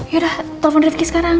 yaudah telfon rivki sekarang